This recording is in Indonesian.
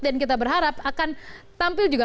dan kita berharap akan tampil juga